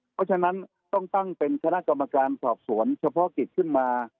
เพราะฉะนั้นต้องตั้งเป็นคณะกรรมการสอบสวนเฉพาะกิจขึ้นมา